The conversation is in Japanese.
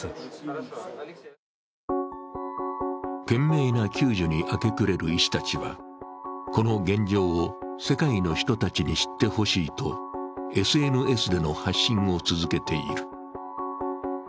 懸命な救助に明け暮れる医師たちは、この現状を世界の人たちに知って欲しいとＳＮＳでの発信を続けている。